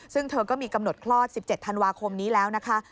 ซึ่งเธอก็มีกำหนดคลอด๑๗ธันวาคมนี้แล้วนะคะ